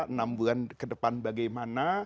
enam bulan ke depan bagaimana